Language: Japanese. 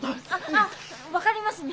あっ分かります日本語。